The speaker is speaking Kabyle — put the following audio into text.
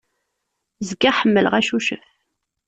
Zgiɣ ḥemmleɣ acucef.